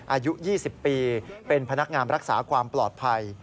อายุ๒๐ปีเป็นพนักงานรักษาความปลอดภัย